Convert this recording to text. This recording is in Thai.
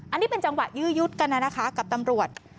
อันนี้เป็นจังหวะยื้อยุดกันนะคะกับตำรวจ